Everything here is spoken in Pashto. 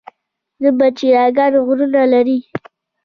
د پچیر اګام غرونه لري